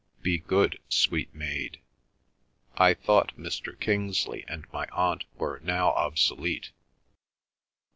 "'Be good, sweet maid'—I thought Mr. Kingsley and my Aunt were now obsolete."